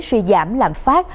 suy giảm lạm phát